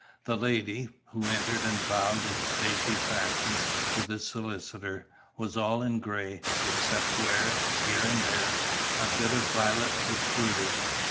The lady, who entered and bowed in stately fashion to the solicitor, was all in gray, except where, here and there, a bit of violet protruded.